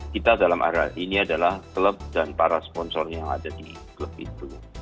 kita dalam ini adalah klub dan para sponsor yang ada di klub itu